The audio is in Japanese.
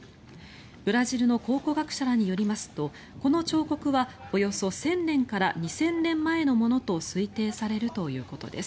ブラジルの考古学者らによりますと、この彫刻はおよそ１０００年から２０００年前のものと推定されるということです。